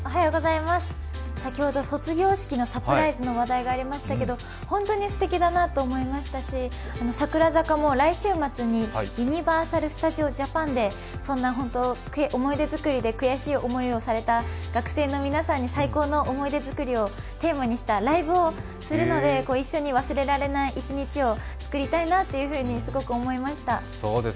先ほど卒業式のサプライズの話題がありましたけど、本当にすてきだなと思いましたし櫻坂も来週末にユニバーサル・スタジオ・ジャパンで、思い出作りで悔しい思いをされた学生の皆さんに最高の思い出作りをテーマにしたライブをするので、一緒に忘れられない一日を作りたいなっていうふうにすごく思いました。